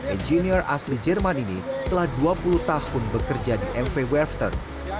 engineer asli jerman ini telah dua puluh tahun bekerja di mv werftern